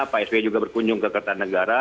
pak sby juga berkunjung ke kertanegara